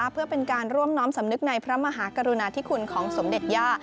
เพื่อเป็นการร่วมน้อมสำนึกในพระมหากรุณาธิคุณของสมเด็จย่า